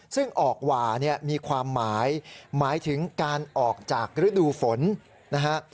ซึ่งออกหว่าเนี่ยมีความหมายหมายถึงการออกจากฤดูฝนนะฮะ